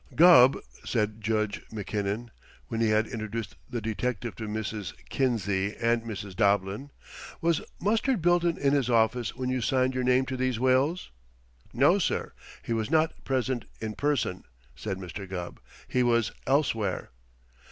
"Gubb," said Judge Mackinnon, when he had introduced the detective to Mrs. Kinsey and Mrs. Doblin, "was Mustard Bilton in this office when you signed your name to these wills?" "No, sir, he was not present in person," said Mr. Gubb. "He was elsewhere."